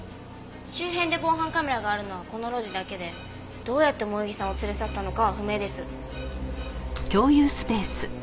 周辺で防犯カメラがあるのはこの路地だけでどうやって萌衣さんを連れ去ったのかは不明です。